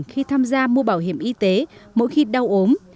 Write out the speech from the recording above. khi tham gia mua bảo hiểm y tế mỗi khi đau ốm